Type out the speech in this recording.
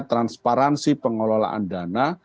transparansi pengelolaan dana